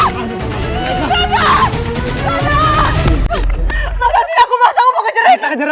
maaf ah salah satu dong jako kerja ke ger viveras